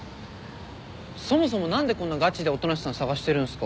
そもそも何でこんながちで音無さん捜してるんすか？